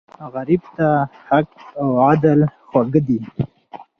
غریب ته حق او عدل خواږه دي